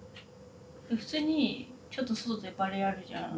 普通にちょっと外でバレーやるじゃん。